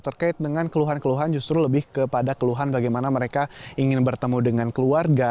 terkait dengan keluhan keluhan justru lebih kepada keluhan bagaimana mereka ingin bertemu dengan keluarga